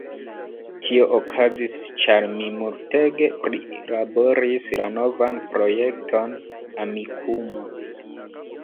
Tio okazis ĉar mi multege prilaboris la novan projekton, "Amikumu"